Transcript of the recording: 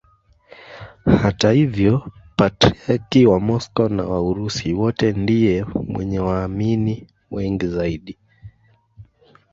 Hata hivyo Patriarki wa Moscow na wa Urusi wote ndiye mwenye waamini wengi zaidi.